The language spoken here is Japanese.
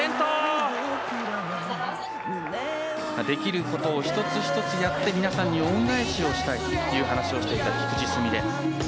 できることを１つ１つやって皆さんに恩返しをしたいという話をしていた菊池純礼。